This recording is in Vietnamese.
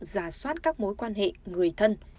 giả soát các mối quan hệ người thân